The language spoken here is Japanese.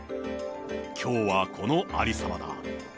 きょうはこのありさまだ。